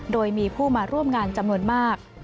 โดยมีผู้มาร่วมงานจำนวนมาก